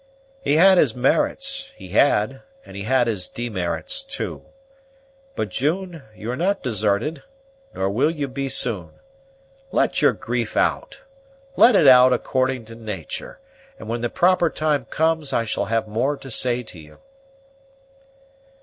"He had his merits, he had; and he had his demerits, too. But June you are not desarted, nor will you be soon. Let your grief out let it out, according to natur', and when the proper time comes I shall have more to say to you."